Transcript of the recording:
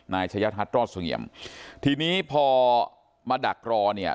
นายชะยัดฮัทรอดสงเหยียมทีนี้พอมาดักรอเนี่ย